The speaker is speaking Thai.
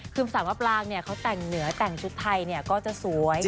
คือสำหรับรางเนี่ยเขาแต่งเหนือแต่งชุดไทยเนี่ยก็จะสวย